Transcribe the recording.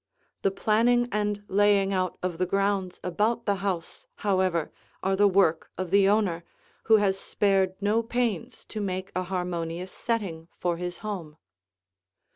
The planning and laying out of the grounds about the house, however, are the work of the owner, who has spared no pains to make a harmonious setting for his home.